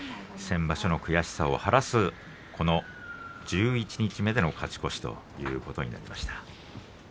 先場所の悔しさを晴らす十一日目での勝ち越しということになりました。